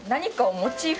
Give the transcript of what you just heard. モチーフ？